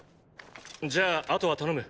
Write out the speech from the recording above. じゃあ後は頼む。